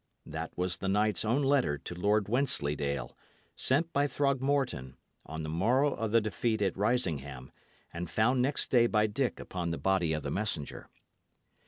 That was the knight's own letter to Lord Wensleydale, sent by Throgmorton, on the morrow of the defeat at Risingham, and found next day by Dick upon the body of the messenger.